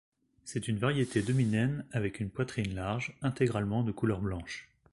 C'est une variété demi-naine avec une poitrine large, intégralement de couleur blanche.